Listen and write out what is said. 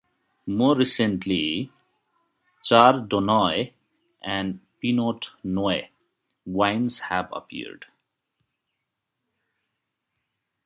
More recently, Chardonnay and Pinot noir wines have appeared.